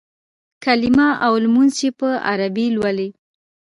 کلیمه او لمونځ چې په عربي لولې.